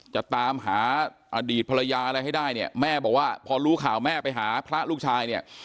จะตามหาอดีตภรรยาอะไรให้ได้เนี่ยแม่บอกว่าพอรู้ข่าวแม่ไปหาพระลูกชายเนี่ย